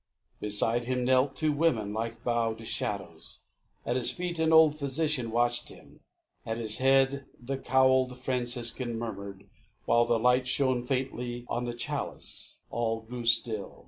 Beside him knelt Two women, like bowed shadows. At his feet, An old physician watched him. At his head, The cowled Franciscan murmured, while the light Shone faintly on the chalice. All grew still.